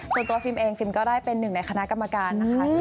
ฟิล์เองฟิล์มก็ได้เป็นหนึ่งในคณะกรรมการนะคะ